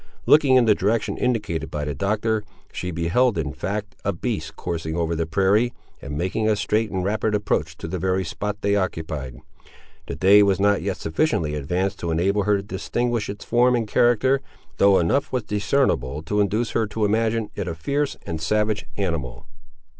Looking in the direction indicated by the Doctor, she beheld, in fact, a beast coursing over the prairie, and making a straight and rapid approach to the very spot they occupied. The day was not yet sufficiently advanced to enable her to distinguish its form and character, though enough was discernible to induce her to imagine it a fierce and savage animal.